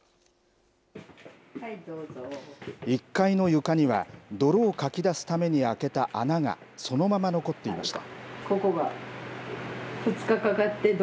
１階の床には、泥をかき出すために開けた穴がそのまま残っていました。